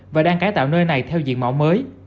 và đang cải tạo nơi này theo diện mạo mới